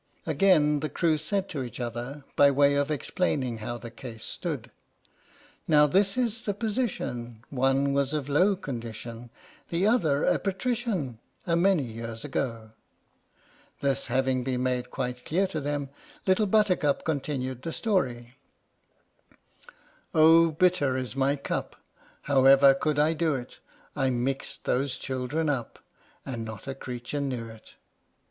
Again the crew said to each other, by way of ex plaining how the case stood: Now this is the position — One was of low condition, The other a patrician, A many years ago ! This having been made quite clear to them, Little Buttercup continued the story: Oh, bitter is my cup, However could I do it? / mixed those children up, And not a creature knew it!